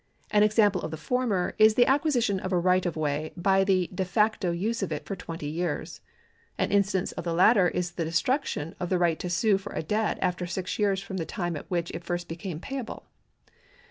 An example of the former is the acquisition of a right of way by the de facto use of it for twenty years. An instance of the latter is the destruction of the right to sue for a debt after six years from the time at which it first became payable.